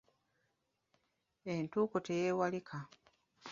Entuuko teyeewalika.